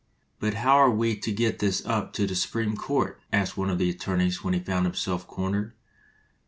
"But how are we to get this up to the Supreme Court?" asked one of the attorneys when he found himself cornered.